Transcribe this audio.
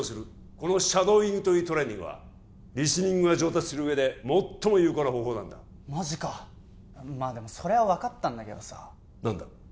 このシャドーイングというトレーニングはリスニングが上達するうえで最も有効な方法なんだマジかまあでもそれは分かったんだけどさ何だ？